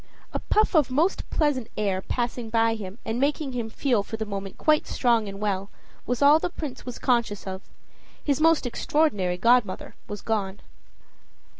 A puff of most pleasant air passing by him, and making him feel for the moment quite strong and well, was all the Prince was conscious of. His most extraordinary godmother was gone.